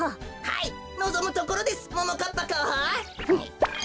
はいのぞむところですももかっぱこうほ。